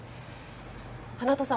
花登さん